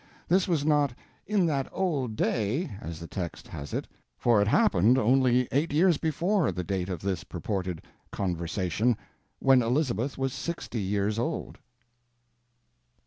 This was not "in that olde daie," as the text has it, for it happened only eight years before the date of this purported "conversation," when Elizabeth was sixty years old.